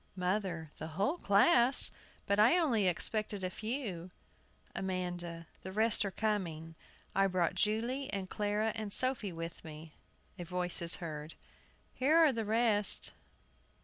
MOTHER. The whole class! I But I only expected a few. AMANDA. The rest are coming. I brought Julie, and Clara, and Sophie with me. [A voice is heard. ] Here are the rest.